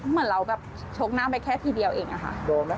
เหมือนเราแบบชกหน้าไปแค่ทีเดียวเองอะค่ะ